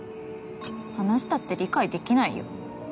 話したって理解できないよ